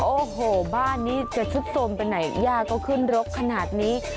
โอ้โหบ้านนี้จะซุดโทรมไปไหนย่าก็ขึ้นรกขนาดนี้